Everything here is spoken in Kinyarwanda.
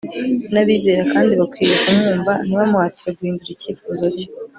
n'abizera kandi bakwiriye kumwumva, ntibamuhatire guhindura icyifuzo cye